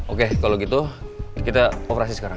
oke kalau gitu kita operasi sekarang